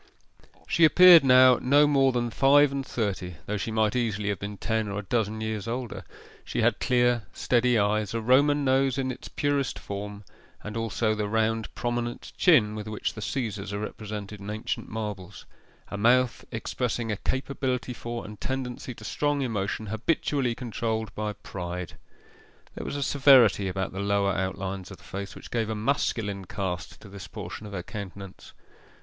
She appeared now no more than five and thirty, though she might easily have been ten or a dozen years older. She had clear steady eyes, a Roman nose in its purest form, and also the round prominent chin with which the Caesars are represented in ancient marbles; a mouth expressing a capability for and tendency to strong emotion, habitually controlled by pride. There was a severity about the lower outlines of the face which gave a masculine cast to this portion of her countenance.